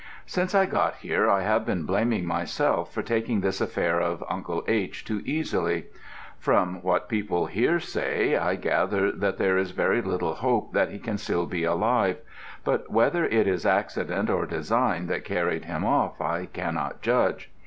Since I got here I have been blaming myself for taking this affair of Uncle H. too easily. From what people here say, I gather that there is very little hope that he can still be alive; but whether it is accident or design that carried him off I cannot judge.